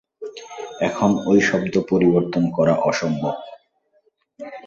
এখন ঐ শব্দ পরিবর্তন করা অসম্ভব।